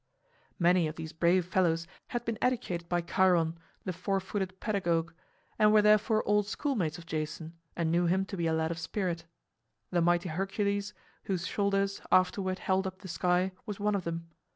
Many of these brave fellows had been educated by Chiron, the four footed pedagogue, and were therefore old schoolmates of Jason and knew him to be a lad of spirit. The mighty Hercules, whose shoulders afterward held up the sky, was one of them.